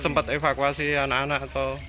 sempat evakuasi anak anak